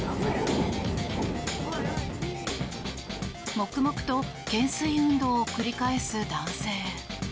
黙々と懸垂運動を繰り返す男性。